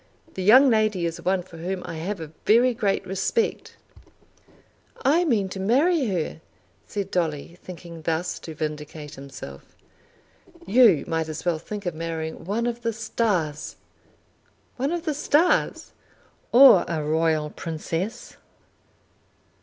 The young lady is one for whom I have a very great respect." "I mean to marry her," said Dolly, thinking thus to vindicate himself. "You might as well think of marrying one of the stars." "One of the stars!" "Or a royal princess!"